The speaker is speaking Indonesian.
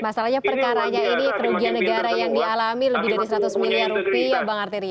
masalahnya perkaranya ini kerugian negara yang dialami lebih dari seratus miliar rupiah bang arteri